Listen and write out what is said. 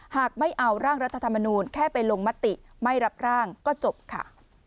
หากไม่เอาร่างรัฐธรรมนูลแค่ไปลงมติไม่รับร่างก็จบค่ะ